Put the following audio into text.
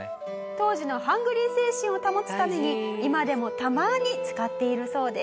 当時のハングリー精神を保つために今でもたまに使っているそうです。